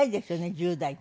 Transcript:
１０代って。